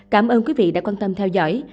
cảm ơn quý vị đã quan tâm theo dõi